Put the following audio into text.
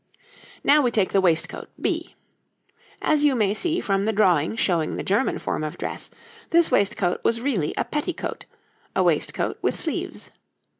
Now we take the waistcoat B. As you may see from the drawing showing the German form of dress, this waistcoat was really a petti cote, a waistcoat with sleeves.